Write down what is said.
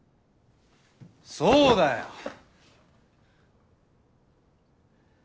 そうだよ！